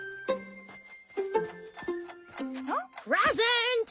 あっ？プレゼント！